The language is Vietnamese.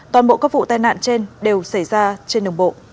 toàn bộ các vụ tai nạn trên đều xảy ra trên đường bộ